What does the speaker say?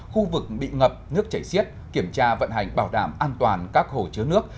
khu vực bị ngập nước chảy xiết kiểm tra vận hành bảo đảm an toàn các hồ chứa nước